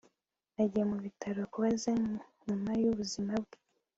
nagiye mu bitaro kubaza nyuma y'ubuzima bwe